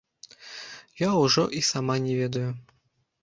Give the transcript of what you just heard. Я ўжо і сама не ведаю.